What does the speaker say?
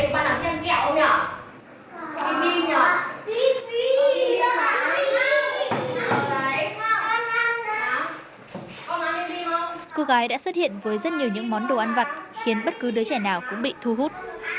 cô gái đã xuất hiện với rất nhiều những món đồ ăn vặt khiến bất cứ đứa trẻ nào cũng bị thu hút